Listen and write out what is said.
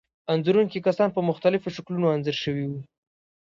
انځورونو کې کسان په مختلفو شکلونو انځور شوي وو.